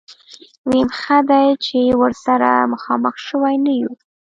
ويم ښه دی چې ورسره مخامخ شوي نه يو.